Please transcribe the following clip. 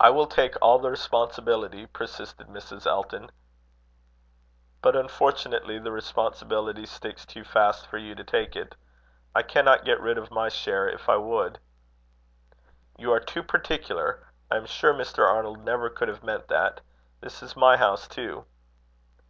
"I will take all the responsibility," persisted Mrs. Elton. "But unfortunately the responsibility sticks too fast for you to take it. I cannot get rid of my share if I would." "You are too particular. I am sure Mr. Arnold never could have meant that. This is my house too."